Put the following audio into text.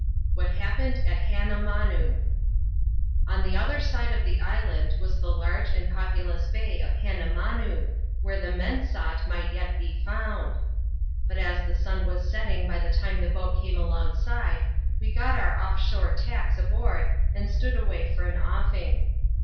What happened at Haxmamanoo. On the other side of the island was the large and populous hssy of Hannamanoo, where the men sought might yet be found. Bnt as the sun was setting by the time the boat came alon^ ade, we got our off shore tacks aboard and stood away for an offing.